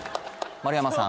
丸山さん